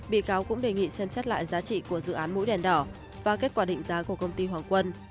bị cáo cũng đề nghị xem xét lại giá trị của dự án mũi đèn đỏ và kết quả định giá của công ty hoàng quân